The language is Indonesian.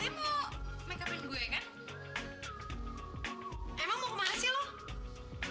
emang mau kemana sih lo